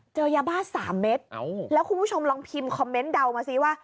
เจอยาบ้า๓เม็ดแล้วคุณผู้ชมลองพิมพ์คอมเมนต์เดามาซิว่า